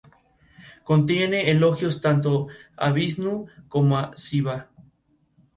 Se esforzó para motivar a sus nuevos compañeros.